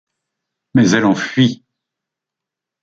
Mais elle en fuit.